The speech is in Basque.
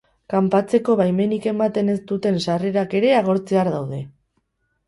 Kanpatzeko baimenik ematen ez duten sarrerak ere agortzear daude.